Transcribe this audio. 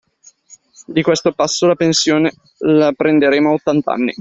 Di questo passo la pensione la prenderemo a ottant'anni.